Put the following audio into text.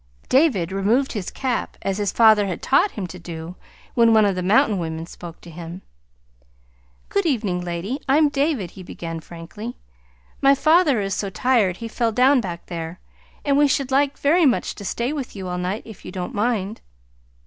David removed his cap as his father had taught him to do when one of the mountain women spoke to him. "Good evening, lady; I'm David," he began frankly. "My father is so tired he fell down back there, and we should like very much to stay with you all night, if you don't mind."